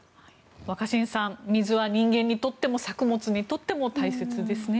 若新さん水は人間にとっても作物にとっても大切ですね。